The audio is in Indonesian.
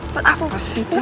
buat apa sih cang